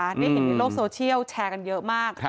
ได้เห็นในโลกโซเชียลแชร์กันเยอะมาก